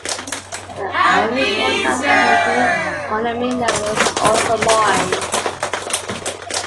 The only road out of the country on the mainland was also mined.